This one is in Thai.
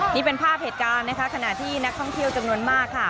นี่เป็นภาพเหตุการณ์นะคะขณะที่นักท่องเที่ยวจำนวนมากค่ะ